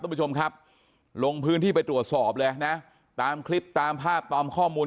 คุณผู้ชมครับลงพื้นที่ไปตรวจสอบเลยนะตามคลิปตามภาพตามข้อมูล